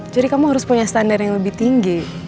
jadi kamu harus punya standar yang lebih tinggi